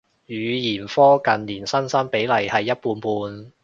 語言科近年新生比例係一半半